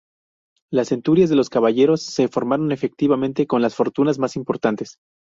Las centurias de los caballeros se formaron efectivamente con las fortunas más importantes.